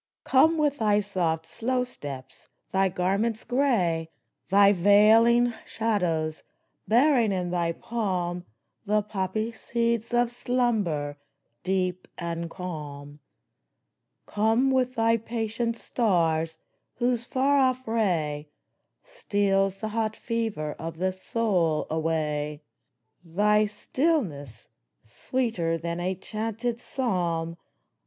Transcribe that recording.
Come with thy soft, slow steps, thy garments gray, Thy veiling shadows, bearing in thy palm The poppy seeds of slumber, deep and calm ! Come with thy patient stars, whose far off ray Steals the hot fever of the soul away. Thy stillness, sweeter than a chanted psalm